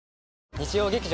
日曜劇場